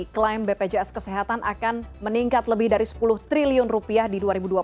klaim bpjs kesehatan akan meningkat lebih dari sepuluh triliun rupiah di dua ribu dua puluh